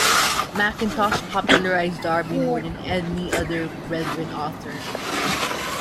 Mackintosh popularised Darby more than any other Brethren author.